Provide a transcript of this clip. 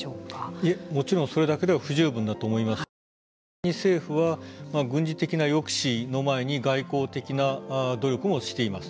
もちろんそれだけでは不十分だと思いますし実際に政府は軍事的な抑止の前に外向的な努力もしています。